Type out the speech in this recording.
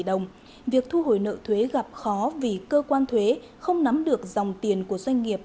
đồng việc thu hồi nợ thuế gặp khó vì cơ quan thuế không nắm được dòng tiền của doanh nghiệp